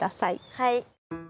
はい。